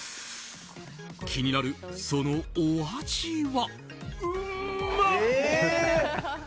気になるそのお味は。